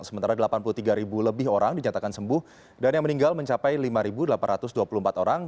sementara delapan puluh tiga lebih orang dinyatakan sembuh dan yang meninggal mencapai lima delapan ratus dua puluh empat orang